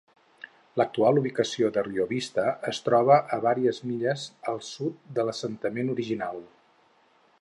L'actual ubicació de Rio Vista es troba a vàries milles al sud de l'assentament original.